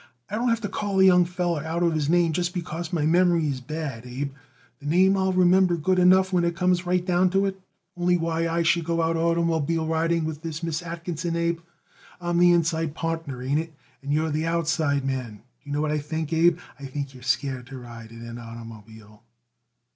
I don't have to call a young feller out of his name just because my memory is bad, Abe. The name I'll remember good enough when it comes right down to it. Only, why should I go out oitermobiling riding with this Miss Atkinson, Abe? I'm the inside partner, ain't it? And you're the outside man. Do you know what I think, Abe? I think you're scared to ride in an oitermobile."